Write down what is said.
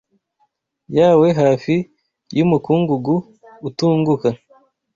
yawe Hafi yu mukungugu utunguka